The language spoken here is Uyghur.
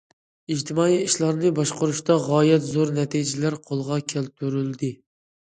ئىجتىمائىي ئىشلارنى باشقۇرۇشتا غايەت زور نەتىجىلەر قولغا كەلتۈرۈلدى.